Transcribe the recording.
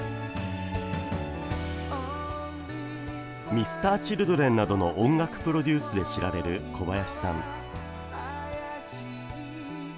Ｍｒ．Ｃｈｉｌｄｒｅｎなどの音楽プロデュースで知られる小林さん。